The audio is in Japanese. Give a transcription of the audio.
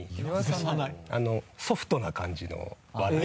ソフトな感じの話題。